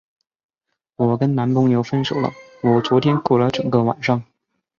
我跟男朋友分手了，我昨天哭了整个晚上。